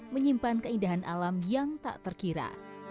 menyimpan keindahan alam yang tak terkira